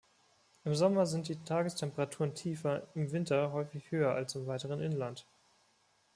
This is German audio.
Im Sommer sind die Tagestemperaturen tiefer, im Winter häufig höher als im weiteren Inland.